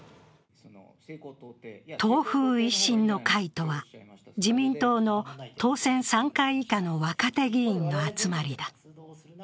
党風一新の会とは、自民党の当選３回以下の若手議員の集まりだ。